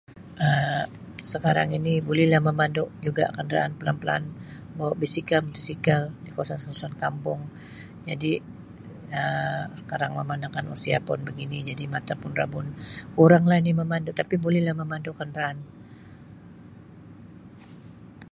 Um Sekarang ini bulilah memandu juga kenderaan pelaan-pelaan bawa bisikal motosikal di kawasan-kawasan kampung jadi Um sekarang memandangkan usia pun begini jadi mata pun rabun kuranglah ini memandu tapi bulilah memandu kenderaan.